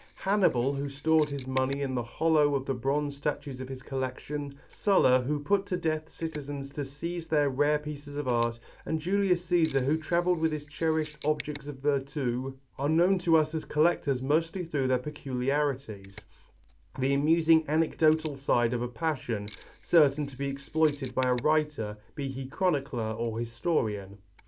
Hannibal who stored his money in the hollow of the bronze statues of his collection, Sulla who put to death citizens to seize their rare pieces of art, and Julius Cæsar who travelled with his cherished objects of virtu, are known to us as collectors mostly through their peculiarities, the amusing anecdotal side of a passion, certain to be exploited by a writer, be he chronicler or historian.